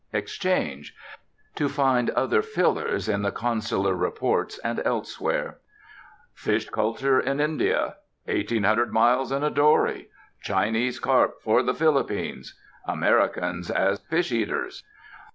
Exchange." To find other "fillers" in the consular reports and elsewhere: "Fish culture in India," "1800 Miles in a Dory," "Chinese Carp for the Philippines," "Americans as Fish Eaters."